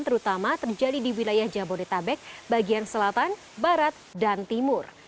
terutama terjadi di wilayah jabodetabek bagian selatan barat dan timur